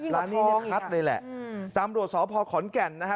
ร้านนี้เนี้ยคัดเลยแหละอืมตามรวดสอพครรภ์ขอนแก่นนะฮะ